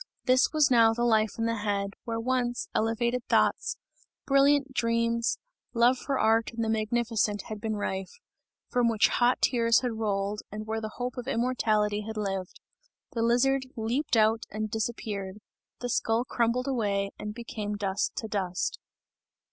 This was now the life in the head, where once elevated thoughts, brilliant dreams, love for art and the magnificent had been rife; from which hot tears had rolled and where the hope of immortality had lived. The lizard leaped out and disappeared; the skull crumbled away and became dust to dust.